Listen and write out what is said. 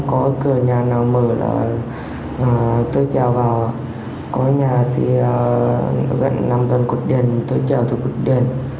có cửa nhà nào mở là tôi chào vào có nhà thì gần năm tuần cột đền tôi chào từ cột đền